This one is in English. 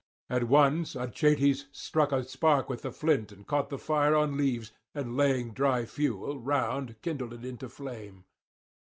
At once Achates struck a spark from the flint and caught the fire on leaves, and laying dry fuel round kindled it into flame.